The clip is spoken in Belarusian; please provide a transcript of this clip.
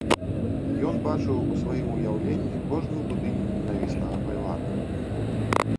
Ён бачыў у сваім уяўленні кожную будыніну ненавіснага фальварка.